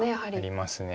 あります。